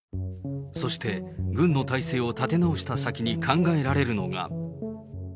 そして、軍の態勢を立て直した先に考えられるのが。